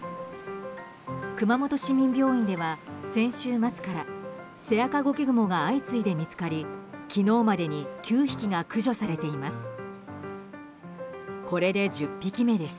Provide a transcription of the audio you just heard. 熊本市民病院では先週末からセアカゴケグモが相次いで見つかり昨日までに９匹が駆除されています。